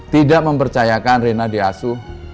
tidak mempercayakan reina diasuh